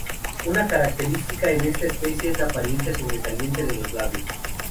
Una característica en esta especie es la apariencia sobresaliente de los labios.